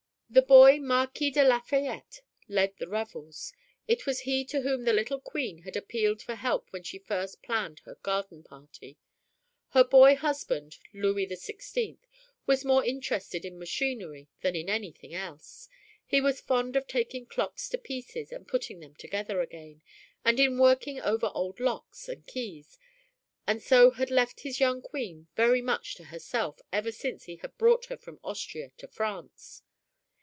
The boy Marquis de Lafayette led the revels. It was he to whom the little Queen had appealed for help when she first planned her garden party. Her boy husband, Louis XVI, was more interested in machinery than in anything else. He was fond of taking clocks to pieces and putting them together again, and in working over old locks and keys, and so had left his young Queen very much to herself ever since he had brought her from Austria to France.